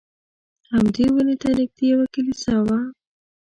همدې ونې ته نږدې یوه کلیسا وه.